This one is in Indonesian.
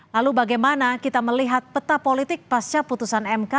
lalu bagaimana kita melihat peta politik pasca putusan mk